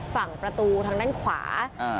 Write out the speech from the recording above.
ฝั่งประตูทางด้านขวา